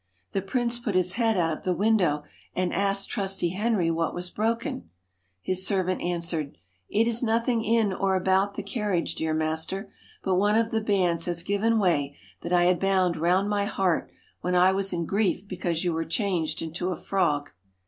The prince put his head out of the window and asked trusty Henry what was broken. His servant answered :' It is nothing in or about the carriage, dear master, but one of the bands has given way that I had bound round my heart when I was in grief because you were changed into a frog.'